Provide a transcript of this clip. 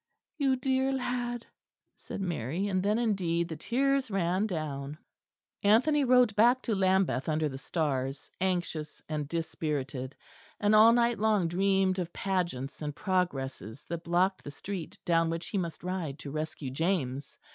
"You dear lad!" said Mary, and then indeed the tears ran down. Anthony rode back to Lambeth under the stars, anxious and dispirited, and all night long dreamed of pageants and progresses that blocked the street down which he must ride to rescue James.